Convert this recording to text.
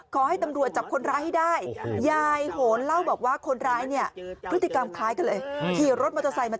ขอให้ตำรวจจับคนร้ายให้ได้